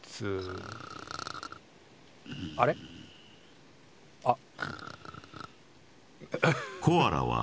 あれ？あっ。